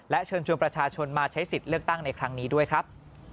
เชิญชวนประชาชนมาใช้สิทธิ์เลือกตั้งในครั้งนี้ด้วยครับ